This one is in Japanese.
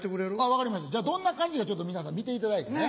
分かりましたどんな感じか皆さん見ていただいてね。